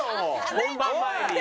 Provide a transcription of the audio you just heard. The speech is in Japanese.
本番前に。